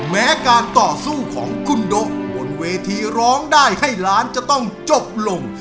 แม้การต่อสู้ของคุณโดะบนเวทีร้องได้ให้ล้านจะต้องจบลง